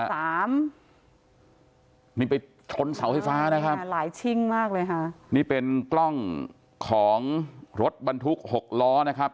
นี่ไปชนเสาไฟฟ้านะครับมาหลายชิ่งมากเลยค่ะนี่เป็นกล้องของรถบรรทุกหกล้อนะครับ